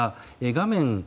画面